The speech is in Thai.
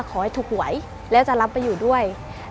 ขอให้ถูกหวยแล้วจะรับไปอยู่ด้วย